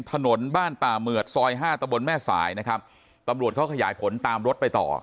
ถนนบ้านป่าเหมือดซอยห้าตะบนแม่สายนะครับตำรวจเขาขยายผลตามรถไปต่อ